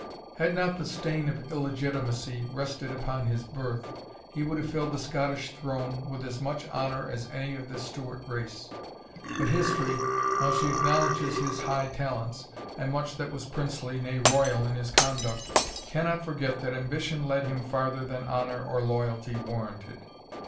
Had not the stain of illegitimacy rested upon his birth, he would have filled the Scottish throne with as much honour as any of the Stewart race. But History, while she acknowledges his high talents, and much that was princely, nay, royal, in his conduct, cannot forget that ambition led him farther than honour or loyalty warranted.